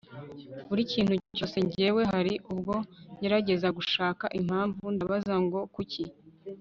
buri kintu cyose njyewe hari ubwo ngerageza gushaka impamvu, ndabaza ngo kuki